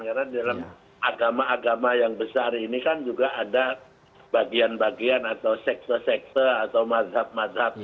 karena di dalam agama agama yang besar ini kan juga ada bagian bagian atau sekse sekse atau mazhab mazhab ya